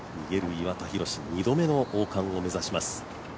岩田寛二度目の王冠を目指します。